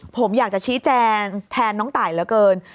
ผมอยากจะชี้แจงแทนน้องตายเหลือเกิน